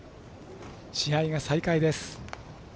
試合が再開です。